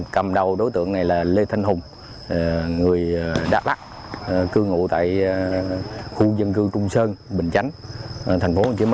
cầm đầu đối tượng này là lê thanh hùng người đắk lắc cư ngụ tại khu dân cư trung sơn bình chánh tp hcm